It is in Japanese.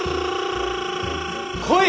来い！